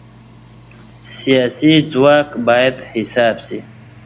سیاسي ځواک باید حساب ورکړي